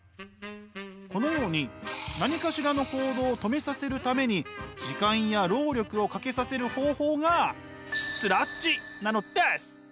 このように何かしらの行動を止めさせるために時間や労力をかけさせる方法がスラッジなのです。